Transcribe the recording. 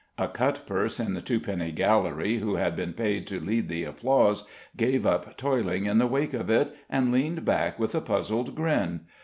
A cutpurse in the twopenny gallery who had been paid to lead the applause gave up toiling in the wake of it, and leaned back with a puzzled grin.